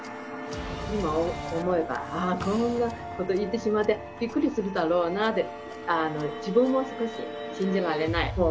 今思えばあこんなこと言ってしまってびっくりするだろうなって自分も少し信じられない。